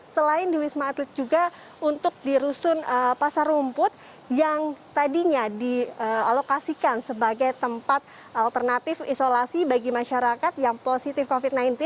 selain di wisma atlet juga untuk di rusun pasar rumput yang tadinya dialokasikan sebagai tempat alternatif isolasi bagi masyarakat yang positif covid sembilan belas